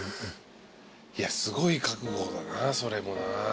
いやすごい覚悟だなそれもな。